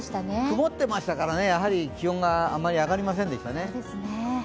曇ってましたからね、やはり気温があまり上がりませんでした。